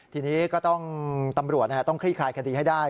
ทีนี้ก็ต้องตำรวจต้องคลี่คลายคดีให้ได้